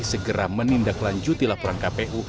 segera menindaklanjuti laporan kpu